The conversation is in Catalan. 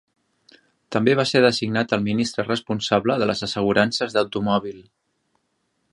També va ser designat el ministre responsable de les assegurances d'automòbil.